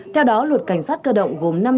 theo đó luật cảnh sát cơ động gồm